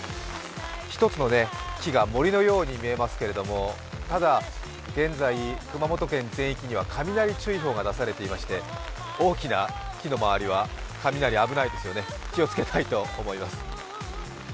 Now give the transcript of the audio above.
一つの木が森のように見えますがただ、現在、熊本県全域には雷注意報が出されていまして、大きな木の周りは雷危ないですよね、気をつけたいと思います。